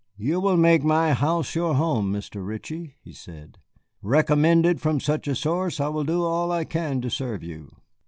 "You will make my house your home, Mr. Ritchie," he said; "recommended from such a source, I will do all I can to serve you.